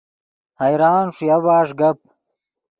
حیران ݰویا بݰ گپ